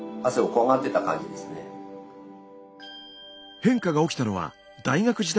変化が起きたのは大学時代のこと。